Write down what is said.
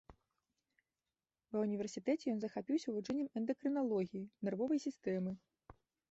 Ва ўніверсітэце ён захапіўся вывучэннем эндакрыналогіі, нервовай сістэмы.